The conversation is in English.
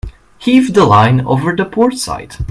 Heave the line over the port side.